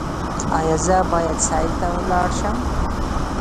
ایا زه باید سیل ته لاړ شم؟